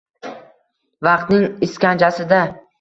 Vaqtning iskanjasida.